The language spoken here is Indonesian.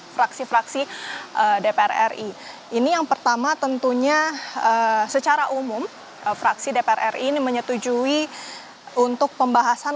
fraksi fraksi dpr ri ini yang pertama tentunya secara umum fraksi dpr ri ini menyetujui untuk pembahasan